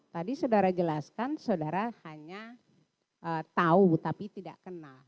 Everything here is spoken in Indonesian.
tadi saudara jelaskan saudara hanya tahu tapi tidak kenal